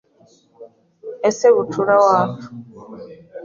Ese bucura wacu